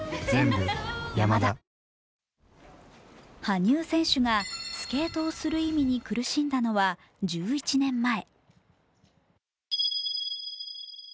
羽生選手がスケートをする意味に苦しんだのは１１年前。